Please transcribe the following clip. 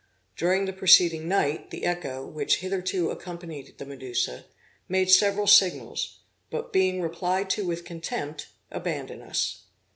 During the preceding night, the Echo, which had hitherto accompanied the Medusa, made several signals, but being replied to with contempt, abandoned us.